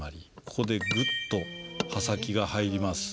ここでグッと刃先が入ります。